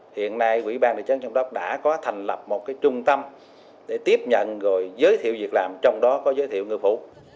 hiện nay quỹ ban thị trấn sông đốc đã có thành lập một cái trung tâm để tiếp nhận rồi giới thiệu việc làm trong đó có giới thiệu ngư phủ